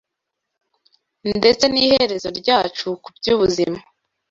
ndetse n’iherezo ryacu kuby’ubuzima